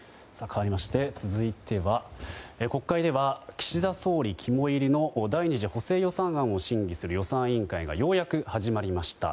かわりまして、続いては国会では岸田総理肝いりの第２次補正予算案を審議する予算委員会がようやく始まりました。